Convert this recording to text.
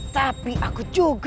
tapi aku juga